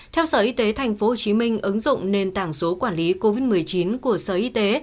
theo sở y tế tp hcm ứng dụng nền tảng số quản lý covid một mươi chín của sở y tế